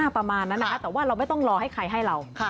ประมาณนั้นนะคะแต่ว่าเราไม่ต้องรอให้ใครให้เรา